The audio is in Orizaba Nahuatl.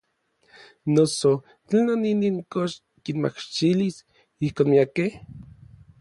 Noso ¿tlenon inin kox kinmajxilis ijkon miakej?